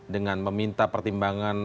dengan meminta pertimbangan